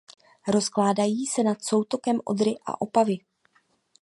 Rozkládají se nad soutokem Odry a Opavy.